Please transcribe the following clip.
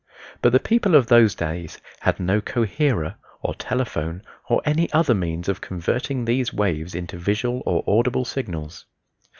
But the people of those days had no "coherer" or telephone or any other means of converting these waves into visual or audible signals.